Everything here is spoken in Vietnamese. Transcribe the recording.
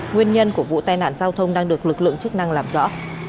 nguyên nhân của vụ tai nạn giao thông đang được lực lượng chức năng làm rõ